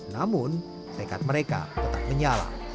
namun tekad mereka tetap menyala